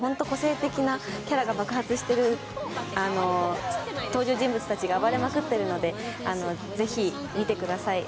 私以外にも本当に個性的なキャラが爆発している登場人物たちが暴れまくっているのでぜひ見てください。